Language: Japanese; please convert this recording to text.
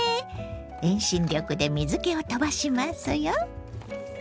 遠心力で水けを飛ばしますよ。